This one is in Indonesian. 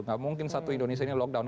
nggak mungkin satu indonesia ini lockdown